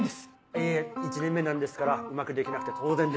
１年目なんですからうまくできなくて当然です。